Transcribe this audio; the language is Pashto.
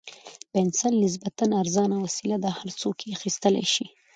پنسل نسبتاً ارزانه وسیله ده او هر څوک یې اخیستلای شي.